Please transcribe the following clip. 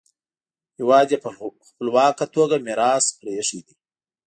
هېواد یې په خپلواکه توګه میراث پریښی دی.